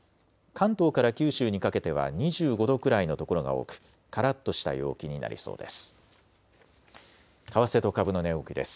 関東から九州にかけては２５度くらいの所が多くからっとした陽気になりそうです。